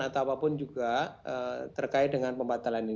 atau apapun juga terkait dengan pembatalan ini